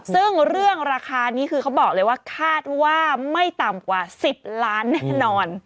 ซึ่งเรื่องราคานี้คือเขาบอกเลยว่าคาดว่าไม่ต่ำกว่า๑๐ล้านแน่นอน